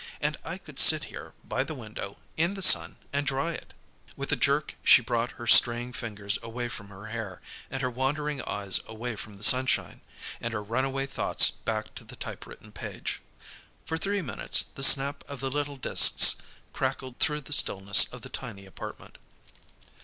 And I could sit here by the window in the sun and dry it " With a jerk she brought her straying fingers away from her hair, and her wandering eyes away from the sunshine, and her runaway thoughts back to the typewritten page. For three minutes the snap of the little disks crackled through the stillness of the tiny apartment.